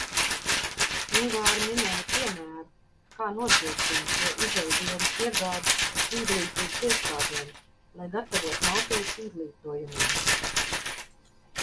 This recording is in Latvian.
Ungāri minēja piemēru, kā nodrošina šo izejvielu iegādi izglītības iestādēm, lai gatavotu maltītes izglītojamiem.